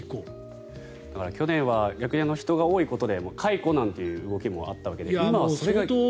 去年は逆に人が多いことで解雇なんていう動きもあったわけで。